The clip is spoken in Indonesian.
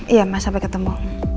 iya mas sampai ketemu